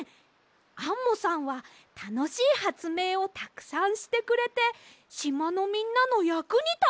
アンモさんはたのしいはつめいをたくさんしてくれてしまのみんなのやくにたっています！